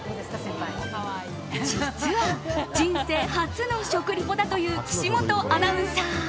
実は人生初の食リポだという岸本アナウンサー。